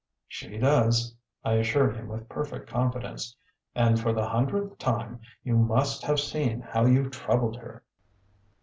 "She does," I assured him with perfect confidence. "And, for the hundredth time, you must have seen how you troubled her."